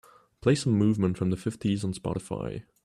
play some movement from the fifties on Spotify